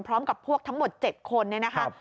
พร้อมกับพวกทั้งหมด๗คนเนี่ยนะคะ